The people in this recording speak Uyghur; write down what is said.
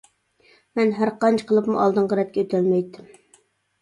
مەن ھەر قانچە قىلىپمۇ ئالدىنقى رەتكە ئۆتەلمەيتتىم.